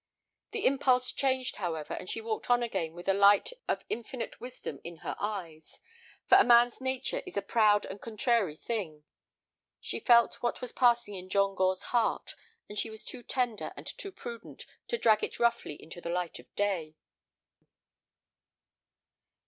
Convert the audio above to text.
The impulse changed, however, and she walked on again with a light of infinite wisdom in her eyes. For a man's nature is a proud and contrary thing. She felt what was passing in John Gore's heart, and she was too tender and too prudent to drag it roughly into the light of day.